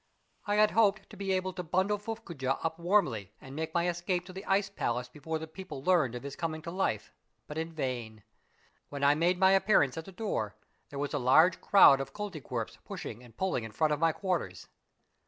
I had hoped to be able to bundle Fuffcoojah up warmly and make my escape to the ice palace before the people learned of his coming to life, but in vain. When I made my appearance at the door, there was a large crowd of Koltykwerps pushing and pulling in front of my quarters.